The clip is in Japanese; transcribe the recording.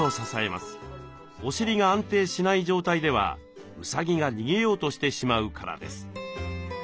お尻が安定しない状態ではうさぎが逃げようとしてしまうからです。